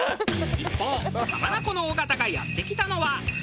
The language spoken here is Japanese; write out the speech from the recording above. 一方浜名湖の尾形がやって来たのは。